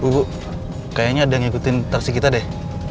bu kayaknya ada yang ngikutin taksi kita deh